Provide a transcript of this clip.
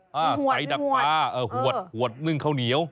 เหัวหนึ่งข้าวเหนียว